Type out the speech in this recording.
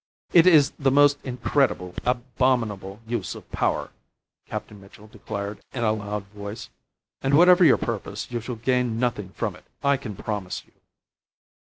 "It is the most incredible, abominable use of power!" Captain Mitchell declared in a loud voice. "And whatever your purpose, you shall gain nothing from it, I can promise you."